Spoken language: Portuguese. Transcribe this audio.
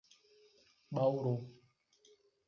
Bauru